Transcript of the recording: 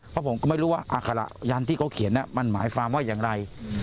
เพราะผมก็ไม่รู้ว่าอัคระยันที่เขาเขียนมันหมายความว่าอย่างไร